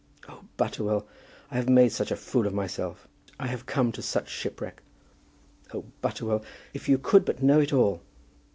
Oh, Butterwell, I have made such a fool of myself. I have come to such shipwreck! Oh, Butterwell, if you could but know it all."